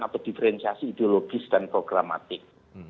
atau diferensiasi ideologis dan programatik